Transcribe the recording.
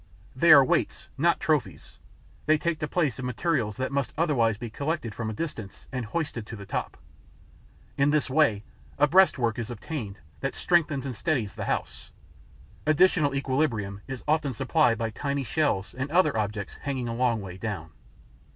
They are weights, not trophies; they take the place of materials that must otherwise be collected from a distance and hoisted to the top. In this way, a breastwork is obtained that strengthens and steadies the house. Additional equilibrium is often supplied by tiny shells and other objects hanging a long way down.